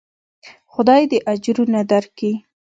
خداى دې اجرونه دركي.